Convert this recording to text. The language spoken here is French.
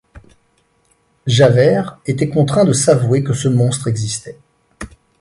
Javert était contraint de s’avouer que ce monstre existait.